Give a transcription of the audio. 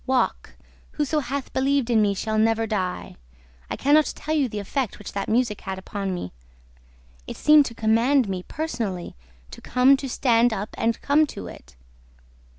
Walk! Whoso hath believed in me shall never die! ...' I can not tell you the effect which that music had upon me. It seemed to command me, personally, to come, to stand up and come to it.